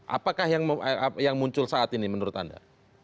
apakah yang muncul saat ini menurut anda